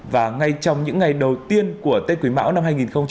và ngay trong những ngày đầu tiên của tết quỷ mão năm hai nghìn hai mươi ba